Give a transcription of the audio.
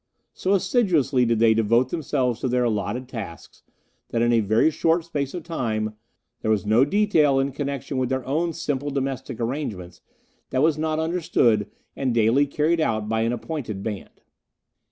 So assiduously did they devote themselves to their allotted tasks, that in a very short space of time there was no detail in connexion with their own simple domestic arrangements that was not understood and daily carried out by an appointed band.